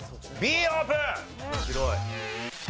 Ｂオープン！